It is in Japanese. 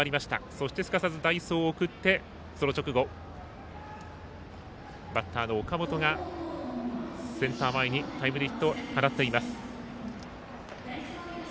そして、すかさず代走を送ってその直後、バッターの岡本がセンター前にタイムリーヒットを放っています。